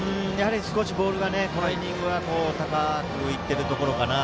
少しボールがタイミングが高く浮いているところかなと。